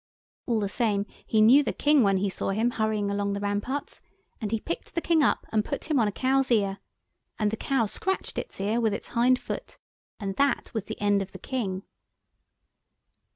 All the same he knew the King when he saw him hurrying along the ramparts, and he picked the King up and put him on a cow's ear. And the cow scratched its ear with its hind foot. And that was the end of the King.